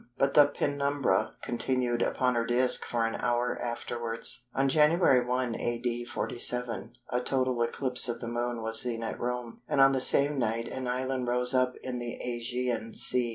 but the penumbra continued upon her disc for an hour afterwards. On Jan. 1, A.D. 47, a total eclipse of the Moon was seen at Rome, and on the same night an island rose up in the Ægean Sea.